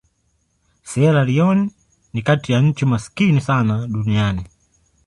Sierra Leone ni kati ya nchi maskini sana duniani.